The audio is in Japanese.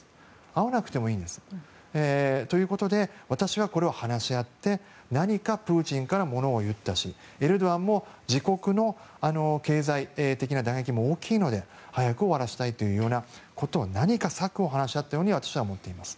会わなくてもいいんです。ということで私はこれを話し合って何かプーチンからものを言ったしエルドアンも自国の経済的な打撃も大きいので早く終わらせたいようなことを何か策を話し合ったように私は思っています。